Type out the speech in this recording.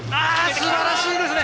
素晴らしいですね！